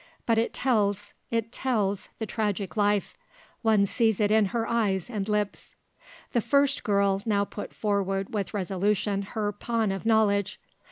But it tells, it tells, the tragic life; one sees it in her eyes and lips." The first girl now put forward with resolution her pawn of knowledge.